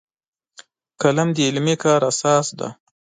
قلم د علمي کار اساس دی